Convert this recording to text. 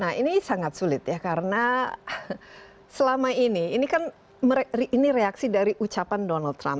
nah ini sangat sulit ya karena selama ini ini kan ini reaksi dari ucapan donald trump